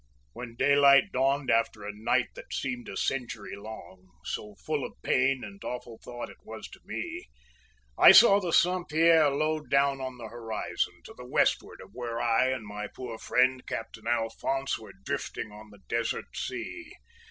"When daylight dawned after a night that seemed a century long, so full of pain and awful thought it was to me, I saw the Saint Pierre low down on the horizon, to the westward of where I and my poor friend, Captain Alphonse, were drifting on the desert sea.